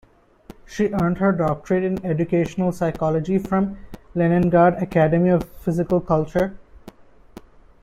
She earned her doctorate in educational psychology from the Leningrad Academy of Physical Culture.